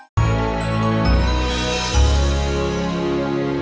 kayaknya dia mungkin si cowo gue ya